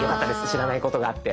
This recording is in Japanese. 知らないことがあって。